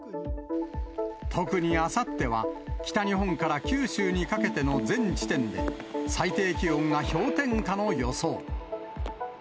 特にあさっては、北日本から九州にかけての全地点で、最低気温が氷点下の予想。